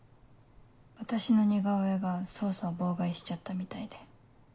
私の似顔絵が捜査を妨害しちゃったみたいで。